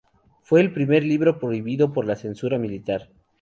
Fue el primer libro prohibido por la censura militar.